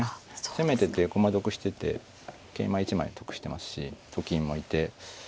攻めてて駒得してて桂馬１枚得してますしと金もいて。